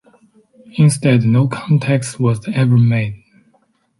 Instead, no contact was ever made.